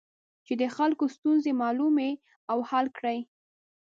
چې د خلکو ستونزې معلومې او حل کړي.